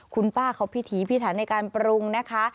คุณป้าเขาพิถีพิถันในการปรุงนะคะ